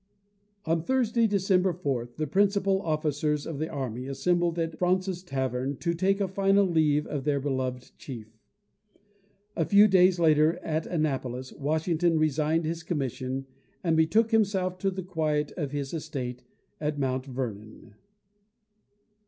On Thursday, December 4, the principal officers of the army assembled at Fraunce's Tavern to take a final leave of their beloved chief. A few days later, at Annapolis, Washington resigned his commission, and betook himself to the quiet of his estate at Mount Vernon.